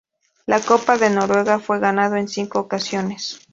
La Copa de Noruega fue ganado en cinco ocasiones.